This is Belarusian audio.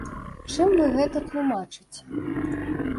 Чым вы гэта тлумачыце?